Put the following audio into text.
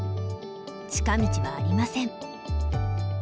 近道はありません。